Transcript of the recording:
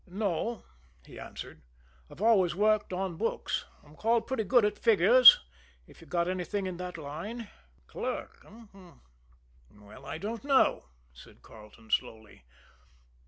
"No," he answered. "I've always worked on books. I'm called pretty good at figures, if you've got anything in that line." "Clerk, eh? Well, I don't know," said Carleton slowly.